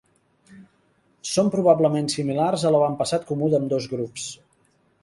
Són probablement similars a l'avantpassat comú d'ambdós grups.